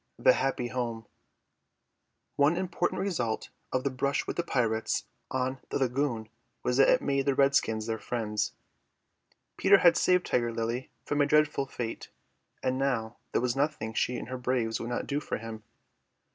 THE HAPPY HOME One important result of the brush on the lagoon was that it made the redskins their friends. Peter had saved Tiger Lily from a dreadful fate, and now there was nothing she and her braves would not do for him.